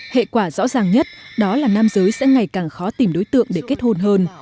hệ quả rõ ràng nhất đó là nam giới sẽ ngày càng khó tìm đối tượng để kết hôn hơn